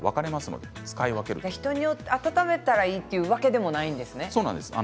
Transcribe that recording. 人によって温めたらいいというわけでもないんですね？